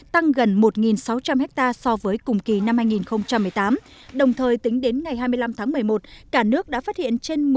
tăng gần một sáu trăm linh ha so với cùng kỳ năm hai nghìn một mươi tám đồng thời tính đến ngày hai mươi năm tháng một mươi một cả nước đã phát hiện trên